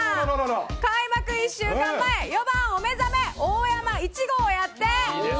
開幕１週間前、４番お目覚め、大山１号やて。